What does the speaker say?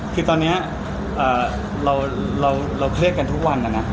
คือตอนนี้เราเครียดกันทุกวันนะนะ